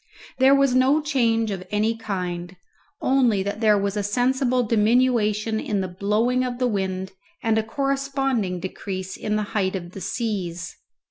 There was no change of any kind, only that there was a sensible diminution in the blowing of the wind and a corresponding decrease in the height of the seas.